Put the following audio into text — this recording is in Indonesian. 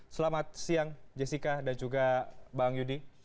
selamat siang jessica dan juga bang yudi